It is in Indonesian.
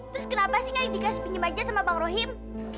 terus kenapa sih kan dikasih pinjam aja sama bang rohim